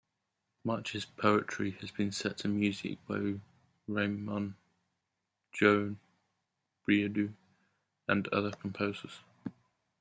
March's poetry has been set to music by Raimon, Joan Brudieu and other composers.